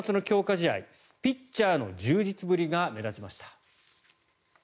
試合ピッチャーの充実ぶりが目立ちました。